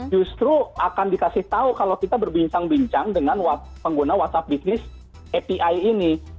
justru akan dikasih tahu kalau kita berbincang bincang dengan pengguna whatsapp bisnis api ini